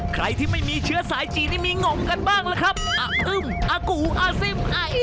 ใครที่ไม่มีเชื้อสายจีนยังมี่งบกันบ้างหรือกับ